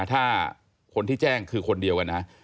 ถ้าคนที่แจ้งคือคนเดียวกันนะ